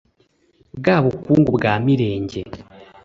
bwa bukungu bwa mirenge